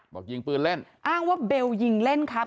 บอกยิงปืนเล่นอ้างว่าเบลยิงเล่นครับ